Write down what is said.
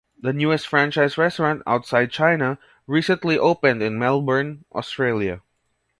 The newest franchised restaurant outside China recently opened in Melbourne, Australia.